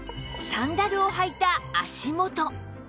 サンダルを履いた足元